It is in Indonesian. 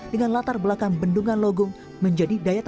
semakin ber unpacking pindah